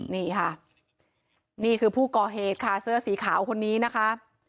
นี่ค่ะนี่คือผู้ก่อเหตุค่ะเสื้อสีขาวคนนี้นะคะ